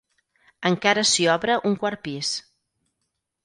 Encara s'hi obre un quart pis.